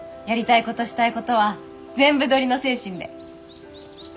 やりたいことしたいことは全部取りの精神で。